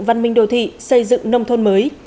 văn minh đồ thị xây dựng nông thôn mới